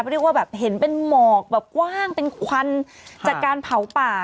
เรียกว่าแบบเห็นเป็นหมอกแบบกว้างเป็นควันจากการเผาป่า